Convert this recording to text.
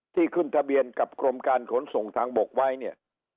ที่ขึ้นทะเบียนกับกรมการขนส่งทางบกไว้เนี่ย